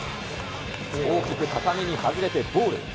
大きく高めに外れてボール。